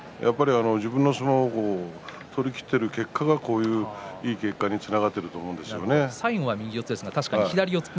自分の相撲を取りきってる結果がこのいい結果につながっていると思います。